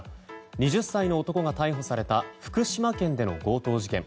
２０歳の男が逮捕された福島県での強盗事件。